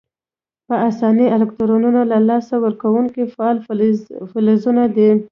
په آساني الکترونونه له لاسه ورکونکي فعال فلزونه دي.